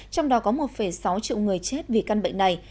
trong đó có một sáu triệu người chết vì căn bệnh này